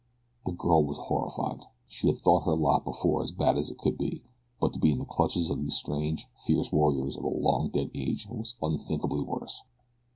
The girl was horrified. She had thought her lot before as bad as it could be, but to be in the clutches of these strange, fierce warriors of a long dead age was unthinkably worse.